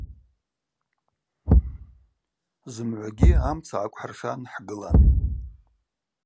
Зымгӏвагьи амца гӏакӏвхӏыршан хӏгылан.